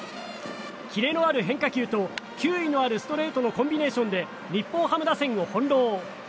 キレのある変化球と球威のあるストレートのコンビネーションで日本ハム打線を翻弄。